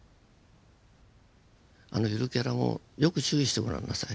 あのゆるキャラもよく注意してご覧なさい。